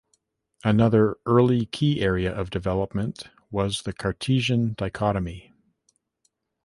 Another early key area of development was the Cartesian Dichotomy.